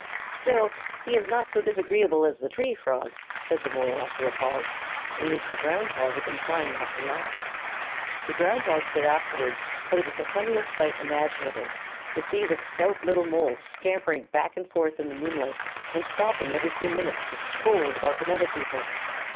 "Still he is not so disagreeable as the Tree Frog," said the Mole, after a pause in which the Ground Hog had been trying not to laugh. The Ground Hog said afterward that it was the funniest sight imaginable to see the stout little Mole scampering back and forth in the moonlight, and stopping every few minutes to scold about the Meadow People.